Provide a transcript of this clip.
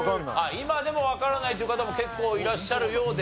今でもわからないという方も結構いらっしゃるようで。